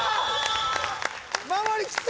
守り切った！